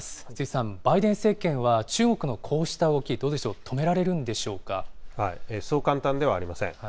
辻さん、バイデン政権は中国のこうした動き、どうでしょう、止めそう簡単ではありません。